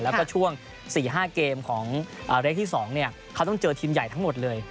แล้วก็ช่วง๔๕เกมของเลขที่๒เขาต้องเจอทีมใหญ่ทั้งหมดเลย